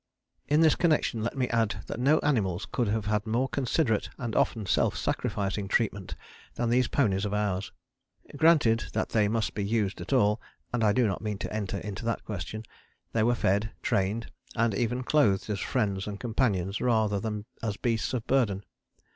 In this connection let me add that no animals could have had more considerate and often self sacrificing treatment than these ponies of ours. Granted that they must be used at all (and I do not mean to enter into that question) they were fed, trained, and even clothed as friends and companions rather than as beasts of burden.